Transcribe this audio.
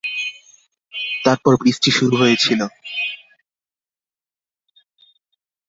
তারপর বৃষ্টি শুরু হয়েছিল।